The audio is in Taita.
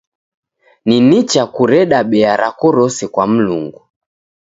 Ni nicha kureda bea rako rose kwa Mlungu.